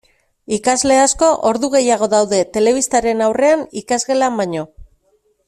Ikasle asko ordu gehiago daude telebistaren aurrean ikasgelan baino.